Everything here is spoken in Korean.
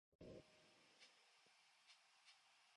그 신사를 가해자로 인정할 수밖에는 지금은 없지요.